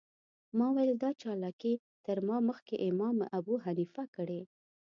ما ویل دا چالاکي تر ما مخکې امام ابوحنیفه کړې.